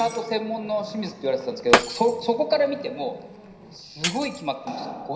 専門の清水って言われてたんですけど、そこから見ても、すごい決まってました。